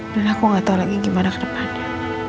dan aku gak tahu lagi gimana ke depannya